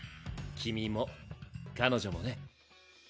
君も彼女もね。